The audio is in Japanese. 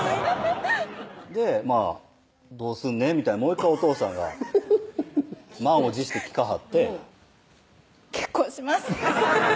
で「どうすんねん」みたいなもう１回おとうさんが満を持して聞かはって「結婚します」